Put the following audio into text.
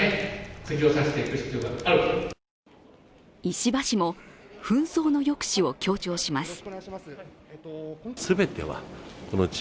石破氏も紛争の抑止を強調します。